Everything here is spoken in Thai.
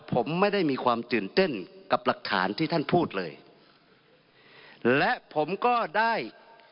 ผมไม่ได้มีความตื่นเต้นกับหลักฐานที่ท่านพูดเลยและผมก็ได้